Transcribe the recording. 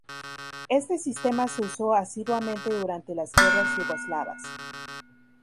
Este sistema se usó asiduamente durante las Guerras Yugoslavas.